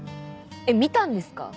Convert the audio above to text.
えっ見たんですか？